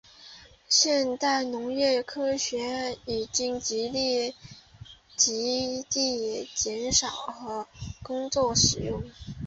现代农业科学已经极大地减少了耕作的使用。